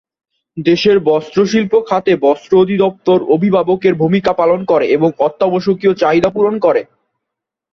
দেশের বস্ত্র শিল্প খাতে বস্ত্র অধিদপ্তর অভিভাবকের ভূমিকা পালন করে এবং অত্যাবশ্যকীয় চাহিদা পূরণ করে।